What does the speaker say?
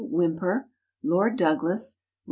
WHYMPER, LORD DOUGLAS, REV.